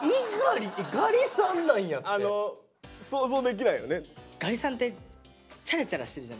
あの想像できないよね。